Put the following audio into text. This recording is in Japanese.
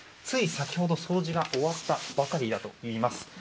つい先ほど掃除が終わったばかりだといいます。